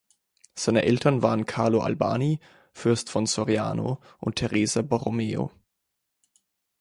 Seine Eltern waren Carlo Albani, Fürst von Soriano und Teresa Borromeo.